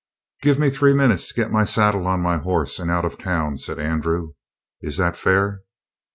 "Give me three minutes to get my saddle on my horse and out of town," said Andrew. "Is that fair?"